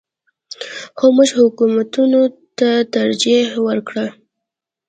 خو موږ حکومتونو ته ترجیح ورکړه.